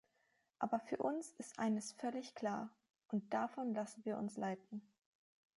Aber für uns ist eines völlig klar, und davon lassen wir uns leiten.